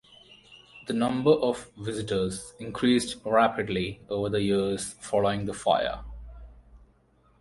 The number of visitors increased rapidly over the years following the fire.